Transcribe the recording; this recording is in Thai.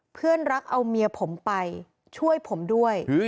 เพื่อนรักเอาเมียผมไปช่วยผมด้วย